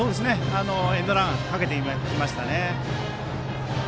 エンドランをかけてきましたね。